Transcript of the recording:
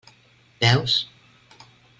Veus.